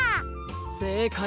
せいかいは。